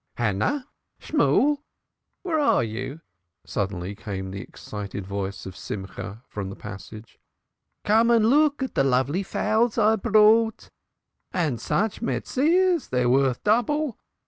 "Hannah! Shemuel! Where are you?" suddenly came the excited voice of Simcha from the passage. "Come and look at the lovely fowls I've bought and such Metsiahs. They're worth double.